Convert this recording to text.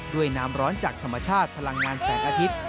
ด้วยน้ำร้อนจากธรรมชาติพลังงานแสงอาทิตย์